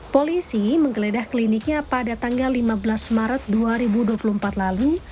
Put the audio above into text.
polisi menggeledah kliniknya pada tanggal lima belas maret dua ribu dua puluh empat lalu